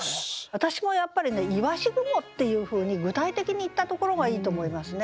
私もやっぱりね「鰯雲」っていうふうに具体的に言ったところがいいと思いますね。